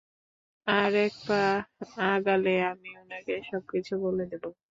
আর এক পা আগালে আমি ওনাকে সবকিছু বলে দেব।